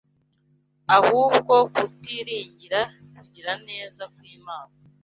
Ahubwo kutiringira kugira neza kw’Imana